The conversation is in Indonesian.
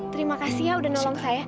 terima kasih ya udah nolong saya